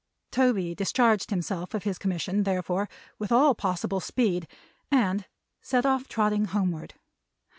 Toby discharged himself of his commission, therefore, with all possible speed and set off trotting homeward.